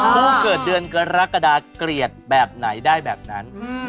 ผู้เกิดเดือนกรกฎาเกลียดแบบไหนได้แบบนั้น